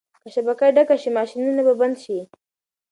که شبکه ډکه شي ماشینونه به بند شي.